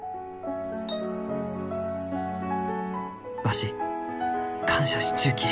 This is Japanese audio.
わし感謝しちゅうき。